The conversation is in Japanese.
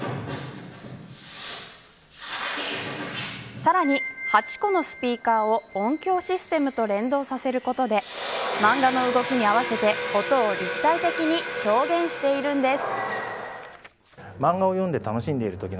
さらに、８個のスピーカーを音響システムと連動させることで漫画の動きに合わせて音を立体的に表現しているんです。